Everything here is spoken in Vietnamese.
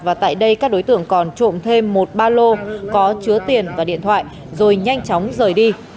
và tại đây các đối tượng còn trộm thêm một ba lô có chứa tiền và điện thoại rồi nhanh chóng rời đi